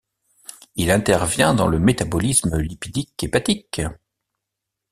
Il intervient dans le métabolisme lipidique hépatique.